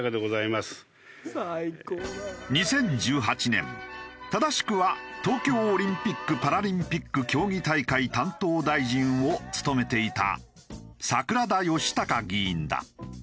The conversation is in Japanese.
２０１８年正しくは東京オリンピック・パラリンピック競技大会担当大臣を務めていた桜田義孝議員だ。